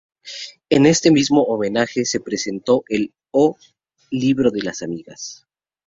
En este mismo homenaje se presentó el "O Libro das amigas.